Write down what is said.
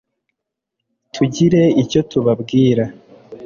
tugire icyo tubabwira